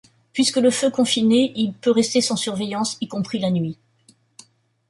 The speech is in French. Puisque le feu confiné, il peut rester sans surveillance, y compris la nuit.